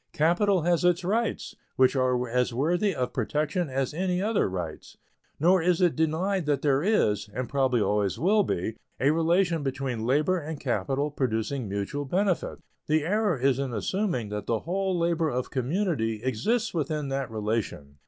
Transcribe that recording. Capital has its rights, which are as worthy of protection as any other rights. Nor is it denied that there is, and probably always will be, a relation between labor and capital producing mutual benefits. The error is in assuming that the whole labor of community exists within that relation.